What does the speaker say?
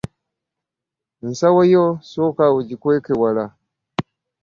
Ensawo yo sooka ogikweke wala.